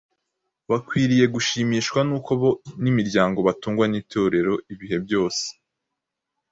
bakwiriye gushimishwa n’uko bo n’imiryango batungwa n’Itorero ibihe byose.